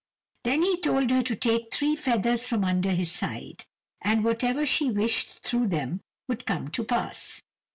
Then he told her to take three feathers from under his side, and whatever she wished through them would come to pass.